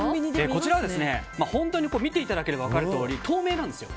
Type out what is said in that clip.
こちらは見ていただけると分かるとおり透明なんですよ。